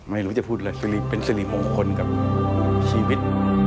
ไม่รู้จะพูดเลยเป็นสิริมงคลกับชีวิต